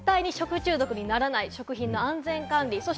絶対に食中毒にならない安全管理です。